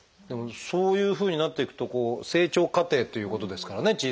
でもそういうふうになっていくとこう成長過程っていうことですからね